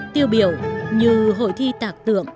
tiêu biểu như hội thi tạc tượng